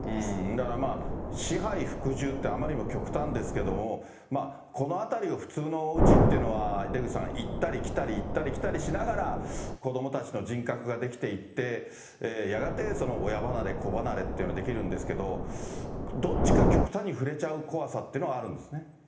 だから支配、服従ってあまりにも極端ですけれども、このあたりを、普通のおうちっていうのは、出口さん、行ったり来たり、行ったり来たりしながら、子どもたちの人格が出来ていって、やがてその親離れ、子離れっていうのができるんですけど、どっちか極端にふれちゃう怖さっていうのはあるんですね。